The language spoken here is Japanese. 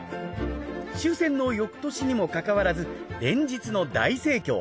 終戦の翌年にもかかわらず連日の大盛況。